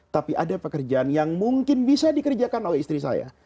tapi ada pekerjaan yang mungkin bisa dikerjakan oleh istri saya